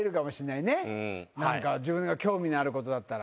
自分が興味のあることだったら。